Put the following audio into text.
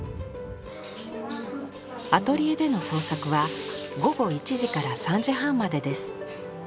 アトリエでの創作は午後１時から３時半までです。